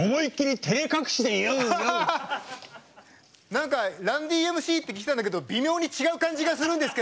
何かＲｕｎ−Ｄ．Ｍ．Ｃ．って聞いてたんだけど微妙に違う感じがするんですけど。